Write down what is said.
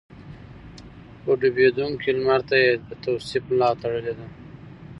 خو ډوبېدونکي لمر ته يې د توصيف ملا تړلې ده.